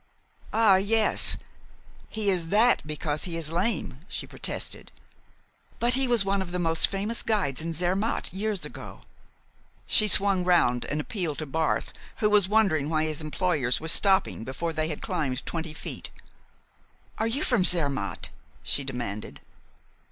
"Ah, yes. He is that because he is lame," she protested. "But he was one of the most famous guides in Zermatt years ago." She swung round and appealed to Barth, who was wondering why his employers were stopping before they had climbed twenty feet. "Are you from Zermatt?" she demanded.